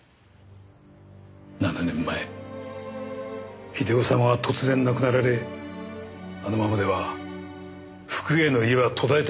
７年前英雄様が突然亡くなられあのままでは福栄の家は途絶えてしまう。